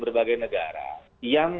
berbagai negara yang